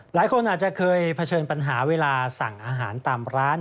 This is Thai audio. หลายคนอาจจะเคยเผชิญปัญหาเวลาสั่งอาหารตามร้าน